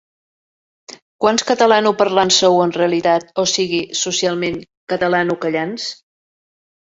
Quants catalanoparlants sou en realitat, o sigui, socialment, 'catalanocallants'...?